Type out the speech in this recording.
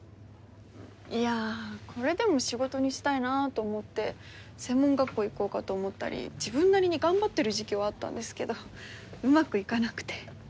いやこれでも仕事にしたいなぁと思って専門学校行こうかと思ったり自分なりに頑張ってる時期はあったんですけどうまくいかなくて。